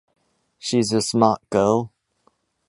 She’s a smart girl.